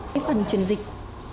cái phần truyền dịch